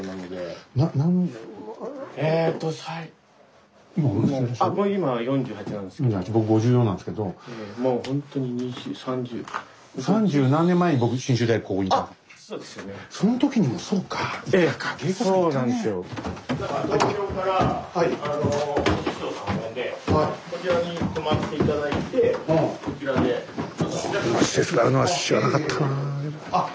こんな施設があるのは知らなかったな。